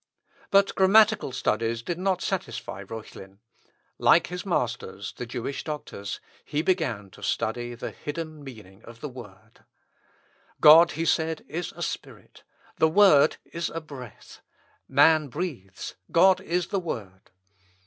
But grammatical studies did not satisfy Reuchlin. Like his masters, the Jewish doctors, he began to study the hidden meaning of the Word; "God," said he, "is a Spirit, the Word is a breath, man breathes, God is the Word.